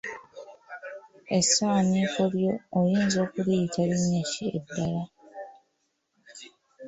Essaaniiko lyo oyinza kuliyita linnya ki eddala?